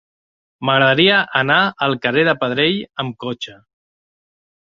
M'agradaria anar al carrer de Pedrell amb cotxe.